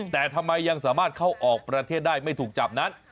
แต่ทำไมยังสามารถเข้าออกประเทศได้ไม่ถูกจับนั้น